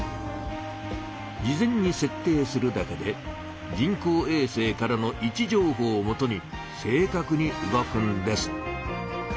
事前にせっ定するだけで人工えい星からの位置情報をもとに正かくに動くんです。